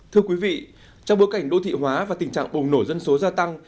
thưa quý vị trong bối cảnh đô thị hóa và tình trạng bùng nổ dân số gia tăng